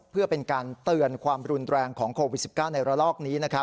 เพื่อเป็นการเตือนความรุนแรงของโควิด๑๙ในระลอกนี้